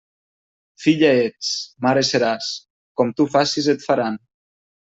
Filla ets, mare seràs; com tu facis et faran.